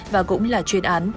và cũng là chuyên án